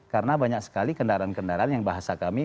karena banyak sekali kendaraan kendaraan yang bahasa kami